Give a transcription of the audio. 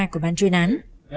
của bán chuyên án